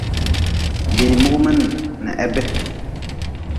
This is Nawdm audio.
Bii mugm n heb.